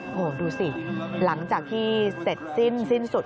โอ้โหดูสิหลังจากที่เสร็จสิ้นสิ้นสุด